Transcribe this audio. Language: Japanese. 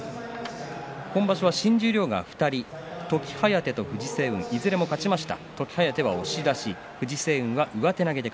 今場所は新十両が２人時疾風と藤青雲いずれも勝ちました。